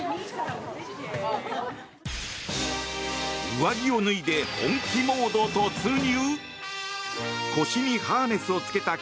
上着を脱いで本気モード突入？